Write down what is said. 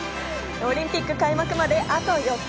オリンピック開幕まであと４日。